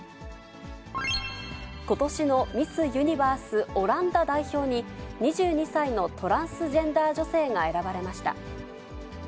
ことしのミス・ユニバース、オランダ代表に、２２歳のトランスジェンダー女性が選ばれました。